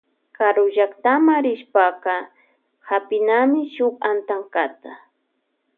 Karullaktama rishpaka hapinami shuk antankata.